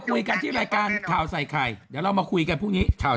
คุยกันที่รายการข่าวใส่ไข่เดี๋ยวเรามาคุยกันพรุ่งนี้ข่าว